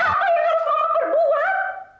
halalanya sekolah waitedati